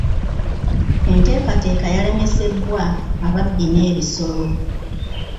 Enteekateeka yalemesebwa ababbi n'ebisolo.